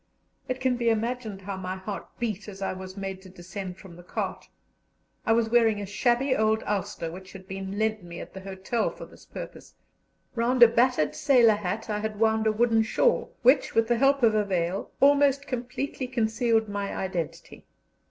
It can be imagined how my heart beat as I was made to descend from the cart. I was wearing a shabby old ulster which had been lent me at the hotel for this purpose; round a battered sailor hat I had wound a woollen shawl, which with the help of a veil almost completely concealed my identity.